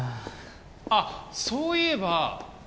あっそういえば。